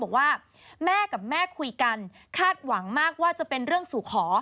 บอกว่าแม่กับแม่คุยกันคาดหวังมากว่าจะเป็นเรื่องสู่ขอ